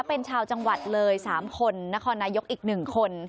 เป็นชาวจังหวัดเลย๓คนนครนายกอีก๑คน